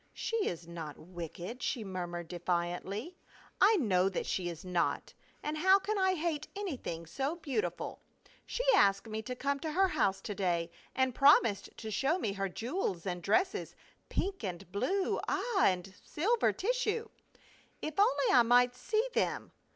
" She is not wicked," she murmured defiantly, "I know that she is not ; and how can I hate anything so beautiful ? She asked me to come to her house to day, and prom ised to show me her jewels and dresses, pink and blue, ah — and silver tissue. If only I might see them